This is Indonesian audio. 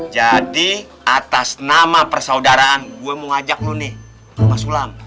jadi atas nama persaudaraan gua mau ngajak lu nih ke rumah sulam